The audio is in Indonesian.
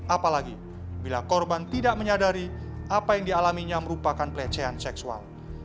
apalagi bila korban tidak menyadari apa yang dialaminya merupakan pelecehan seksual